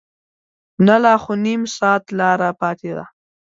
نه لا خو نیم ساعت لاره پاتې ده.